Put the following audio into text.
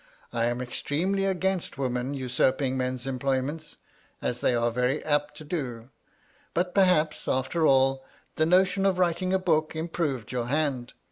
" I am extremely against women usm|)ing men's employments, as they are very apt to do. But perhaps, after all, the notion of writing a book improved your hand.